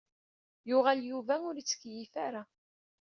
Yuɣal Yuba ur ittkeyyif ara.